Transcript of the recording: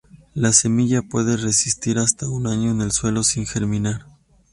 La semilla puede resistir hasta un año en el suelo sin germinar.